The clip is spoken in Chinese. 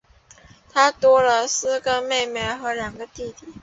她多了四个妹妹和两个弟弟